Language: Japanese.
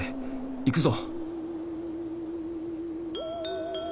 行くぞ！